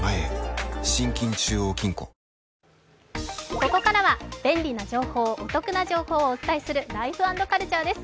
ここからは便利な情報、お得な情報をお伝えするライフ＆カルチャーです。